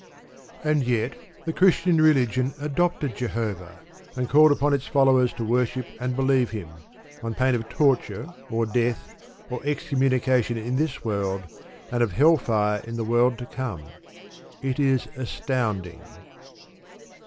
And yet the Christian religion adopted Jehovah, and called upon its followers to worship and believe Him, on pain of torture, or death, or excommunication in this world, and of hell fire in the world to come. It is astounding.